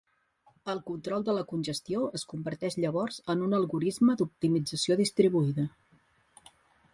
El control de la congestió es converteix llavors en un algorisme d'optimització distribuïda.